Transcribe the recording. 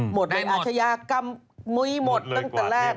หมดในอาชญากรรมมุ้ยหมดตั้งแต่แรก